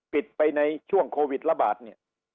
ปิดไปในช่วงโควิดระบาดเนี่ย